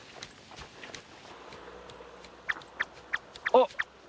あっ！